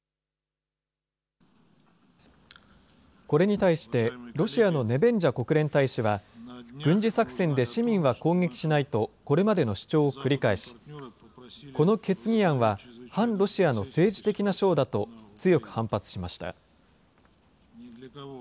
これに対して、ロシアのネベンジャ国連大使は、軍事作戦で市民は攻撃しないと、これまでの主張を繰り返し、この決議案は、反ロシアの政治的なショーだと、強く反発しました。